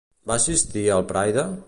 Va assistir al Pride?